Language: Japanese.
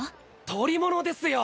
捕物ですよ。